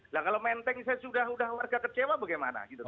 nah kalau menteng saya sudah warga kecewa bagaimana